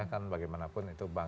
kan bagaimanapun itu bank